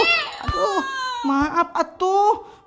satu watak istri